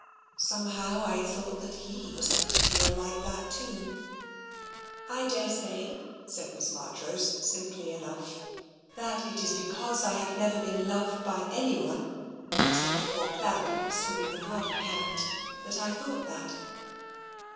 Some how I thought that he was going to feel like that too. I daresay," said Miss Marchrose, simply enough, " that it is because I have never been loved by anyone (except poor Clarence, whom you can hardly count) that I thought that.